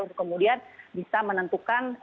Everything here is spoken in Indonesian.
untuk kemudian bisa menentukan